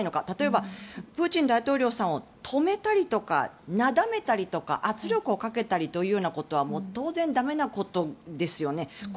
例えば、プーチン大統領を止めたりとかなだめたりとか圧力をかけたりということは当然駄目なことですよね。